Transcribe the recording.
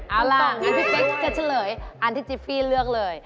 เอาล่ะงั้นพี่เป๊กจะเฉลยอันที่จิฟฟี่เลือกเลย